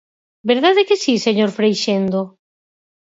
¿Verdade que si, señor Freixendo?